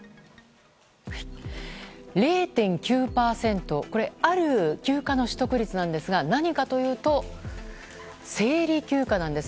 ０．９％、これはある休暇の取得率なんですが何かというと、生理休暇なんです。